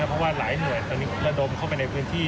เพราะว่าหลายหน่วยตอนนี้ผมระดมเข้าไปในพื้นที่